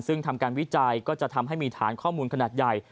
ซึ่งทำการวิจัยก็จะทำให้มีฐานข้อมูลขนาดใหญ่